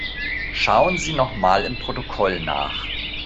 Schauen Sie nochmal im Protokoll nach.